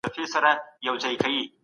د اوبو کموالی د پښتورګو درد پیدا کوي.